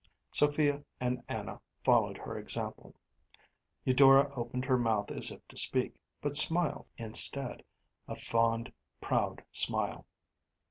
Sophia and Anna followed her example. Eudora opened her mouth as if to speak, but smiled instead, a fond, proud smile.